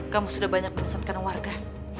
kamu sudah banyak menyesatkan warga